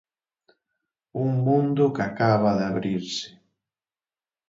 Un mundo que acaba de abrirse.